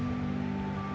ya tuhan kami berdoa